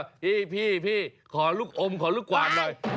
พี่พี่พี่ขอลูกอมขอลูกขวานเลย